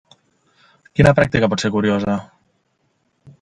Quina pràctica pot ser curiosa?